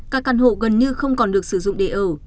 các căn hộ gần như không còn được sử dụng để ở